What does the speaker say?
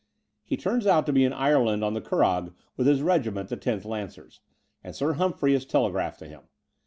He turns out to be in Ireland on the Curragh with his regiment, the loth Lancers : and Sir Humphrey has telegraphed to him.